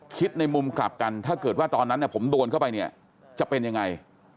ในมุมกลับกันถ้าเกิดว่าตอนนั้นผมโดนเข้าไปเนี่ยจะเป็นยังไง